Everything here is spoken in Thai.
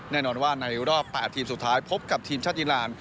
แน่นอนว่าในรอบ๘ทีมสุดท้ายพบกับทีมชาติอีราน